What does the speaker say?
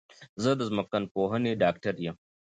زه د ځمکپوهنې ډاکټر یم